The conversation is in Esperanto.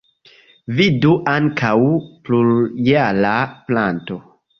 Vidu ankaŭ: plurjara planto.